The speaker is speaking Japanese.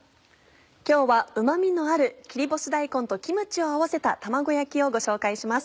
今日はうま味のある切り干し大根とキムチを合わせた卵焼きをご紹介します。